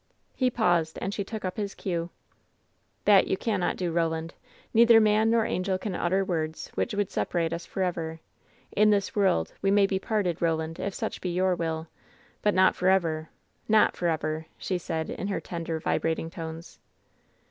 He paused, and she took up his cue. "That you cannot do, Roland! Neither man nor angel can utter words which would separate us forever. In this world we may be parted, Roland, if such be your will. But not forever ! Not forever !" she said, in her tender, vibrating tones.